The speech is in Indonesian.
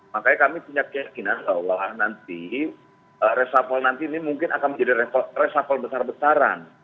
makanya kami punya keyakinan bahwa nanti resapel nanti ini mungkin akan menjadi resapel besar besaran